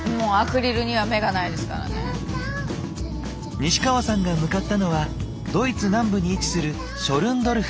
西川さんが向かったのはドイツ南部に位置するショルンドルフ。